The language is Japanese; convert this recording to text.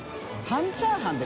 半チャーハン。